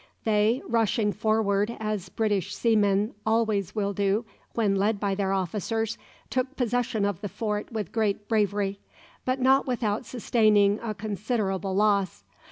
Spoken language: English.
They, rushing forward as British seamen always will do when led by their officers, took possession of the fort with great bravery, but not without sustaining a considerable loss.